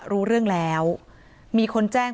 รู้เรื่องแล้วมีคนแจ้ง